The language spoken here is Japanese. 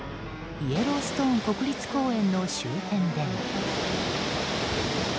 イエローストーン国立公園の周辺でも。